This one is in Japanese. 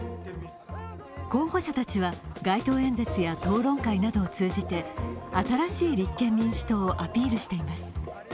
候補者たちは街頭演説や討論会などを通じて新しい立憲民主党をアピールしています。